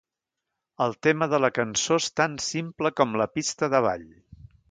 El tema de la cançó és tan simple com la pista de ball.